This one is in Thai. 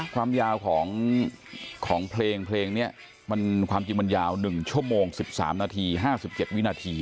ความยาวของเพลงเพลงนี้ความจริงมันยาว๑ชั่วโมง๑๓นาที๕๗วินาที